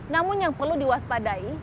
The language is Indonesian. namun yang perlu diwaspadai